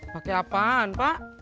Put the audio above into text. pake apaan pak